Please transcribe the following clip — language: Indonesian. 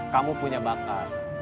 kamu punya bakat